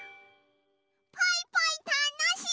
ポイポイたのしい！